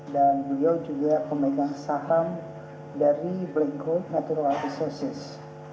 dan beliau juga pemegang saham dari black road natural resources